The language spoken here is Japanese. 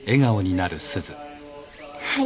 はい。